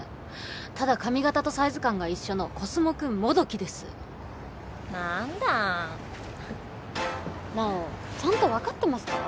ただ髪形とサイズ感が一緒のコスモくんもどきですなんだ奈緒ちゃんと分かってますか？